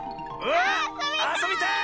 あそびたい！